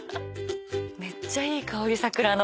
めっちゃいい香り桜の。